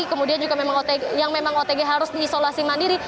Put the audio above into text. kemudian juga yang memang otg harus diisolasi mandiri